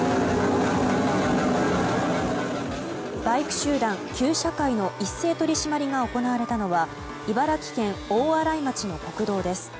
バイク集団、旧車會の一斉取り締まりが行われたのは茨城県大洗町の国道です。